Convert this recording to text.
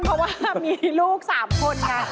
เพราะว่ามีลูก๓คนไง